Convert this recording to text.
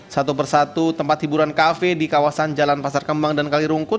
satu persatu tempat hiburan kafe di kawasan jalan pasar kembang dan kali rungkut